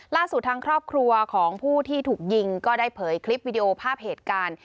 ล่าสุดทางครอบครัวของผู้ที่ถูกยิงก็ได้เผยคลิปวิดีโอภาพเหตุการณ์